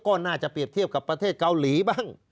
ก็น่าจะเปรียบเทียบกับประเทศเกาหลีบ้าง